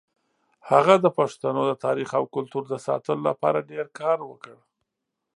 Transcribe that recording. هغه د پښتنو د تاریخ او کلتور د ساتلو لپاره ډېر کار وکړ.